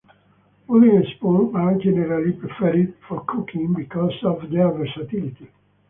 Wooden spoons are generally preferred for cooking because of their versatility.